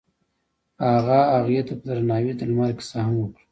هغه هغې ته په درناوي د لمر کیسه هم وکړه.